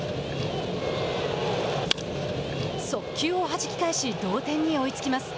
速球をはじき返し同点に追いつきます。